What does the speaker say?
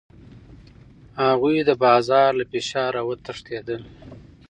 هغوی د بازار له فشاره وتښتېدل.